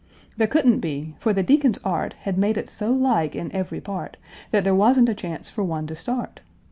There couldn't be, for the Deacon's art Had made it so like in every part That there wasn't a chance for one to start.